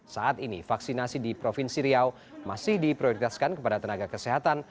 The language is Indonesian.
saat ini vaksinasi di provinsi riau masih diprioritaskan kepada tenaga kesehatan